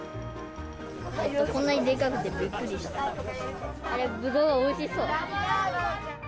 こんなにでかくてびっくりしぶどう、おいしそう！